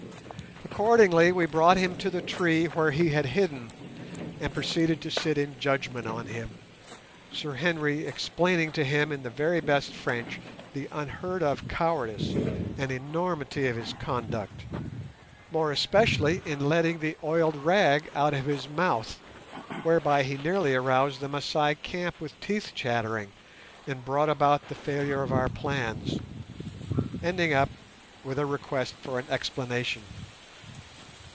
Accordingly we brought him to the tree where he had hidden, and proceeded to sit in judgment on him, Sir Henry explaining to him in the very best French the unheard of cowardice and enormity of his conduct, more especially in letting the oiled rag out of his mouth, whereby he nearly aroused the Masai camp with teeth chattering and brought about the failure of our plans: ending up with a request for an explanation.